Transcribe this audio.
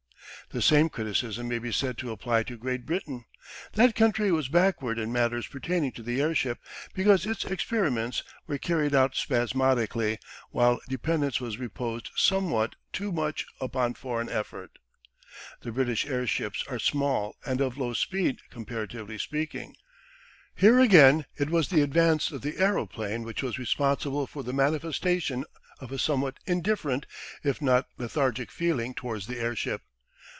The same criticism may be said to apply to Great Britain. That country was backward in matters pertaining to the airship, because its experiments were carried out spasmodically while dependence was reposed somewhat too much upon foreign effort. The British airships are small and of low speed comparatively speaking. Here again it was the advance of the aeroplane which was responsible for the manifestation of a somewhat indifferent if not lethargic feeling towards the airship.